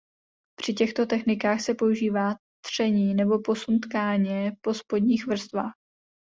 Při těchto technikách se používá tření nebo posun tkáně po spodních vrstvách.